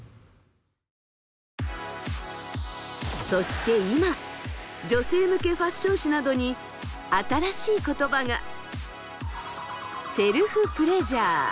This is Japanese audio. そして今女性向けファッション誌などに新しい言葉が！